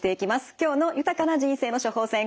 今日の「豊かな人生の処方せん」